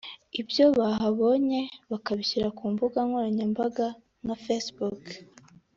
ibyo bahabonye bakabishyira ku mbuga nkoranyambaga nka Facebook